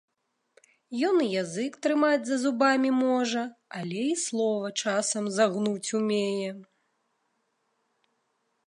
Ён і язык трымаць за зубамі можа, але і слова часам загнуць умее.